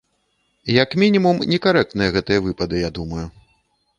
Як мінімум, некарэктныя гэтыя выпады, я думаю.